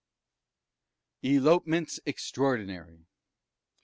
ELOPEMENTS EXTRAORDINARY.